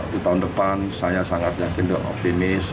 di tahun depan saya sangat yakin dan optimis